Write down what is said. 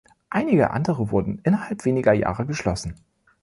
Einige andere wurden innerhalb weniger Jahre geschlossen.